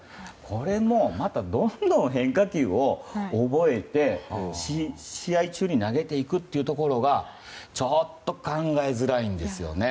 これもうまたどんどん変化球を覚えて試合中に投げていくというところがちょっと考えづらいんですよね。